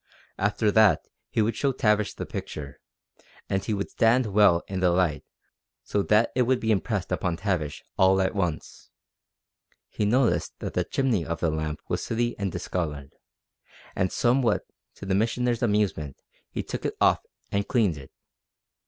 After that he would show Tavish the picture, and he would stand well in the light so that it would be impressed upon Tavish all at once. He noticed that the chimney of the lamp was sooty and discoloured, and somewhat to the Missioner's amusement he took it off and cleaned it.